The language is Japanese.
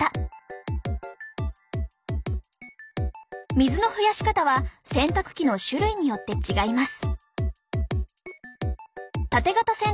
水の増やし方は洗濯機の種類によって違います。